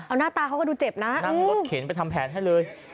เอาหน้าตาเขาก็ดูเจ็บนะนั่งรถเข็นไปทำแผนให้เลย